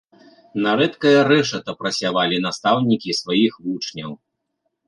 На рэдкае рэшата прасявалі настаўнікі сваіх вучняў.